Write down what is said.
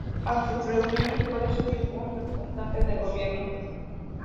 A sus reuniones puede asistir un representante del Gobierno.